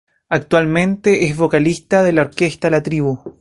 Actualmente es vocalista de la orquesta "La Tribu".